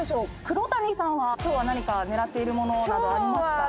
黒谷さんは今日は何か狙っているものなどありますか？